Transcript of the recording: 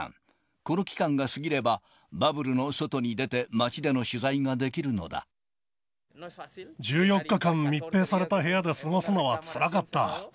この期間が過ぎれば、バブルの外１４日間密閉された部屋で過ごすのはつらかった。